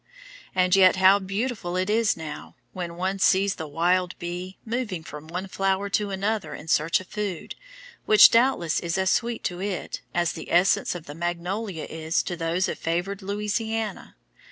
And yet how beautiful it is now, when one sees the wild bee, moving from one flower to another in search of food, which doubtless is as sweet to it, as the essence of the magnolia is to those of favoured Louisiana.